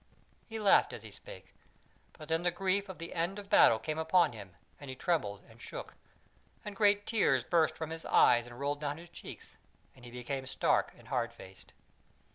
He laughed as he spake; but then the grief of the end of battle came upon him and he trembled and shook, and great tears burst from his eyes and rolled down his cheeks, and he became stark and hard faced.